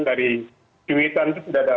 dari cuitan itu sudah ada